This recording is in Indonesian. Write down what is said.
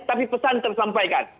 tapi pesan tersampaikan